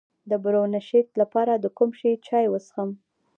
د برونشیت لپاره د کوم شي چای وڅښم؟